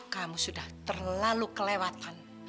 kamu sudah terlalu kelewatan